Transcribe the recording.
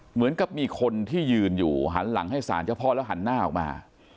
เหมือนกับมีคนที่ยืนอยู่หันหลังให้สารเจ้าพ่อแล้วหันหน้าออกมา